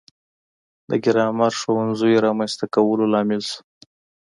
د ګرامر ښوونځیو رامنځته کولو لامل شو.